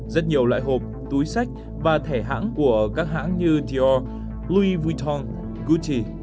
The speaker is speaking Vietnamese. rất nhiều loại hộp túi sách và thẻ hãng của các hãng như dior louis vuitton gucci